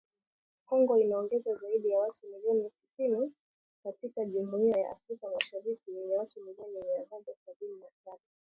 Kongo inaongeza zaidi ya watu milioni tisini katika Jumuiya ya Afrika Mashariki yenye watu milioni mia moja sabini na saba